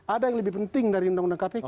ada yang lebih penting dari undang undang kpk